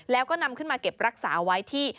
แล้วก็นำขึ้นมาเก็บรักษาไว้ที่